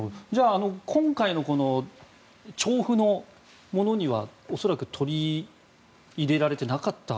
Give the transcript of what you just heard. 今回の調布のものには恐らく取り入れられていなかった？